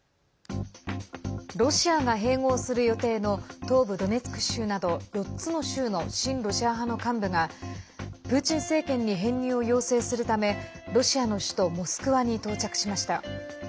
ロシアが併合する予定の東部ドネツク州など４つの州の親ロシア派の幹部がプーチン政権に編入を要請するためロシアの首都モスクワに到着しました。